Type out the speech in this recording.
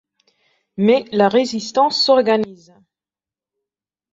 Mais la résistance s’organise.